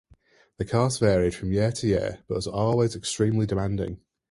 The course varied from year to year but was always extremely demanding.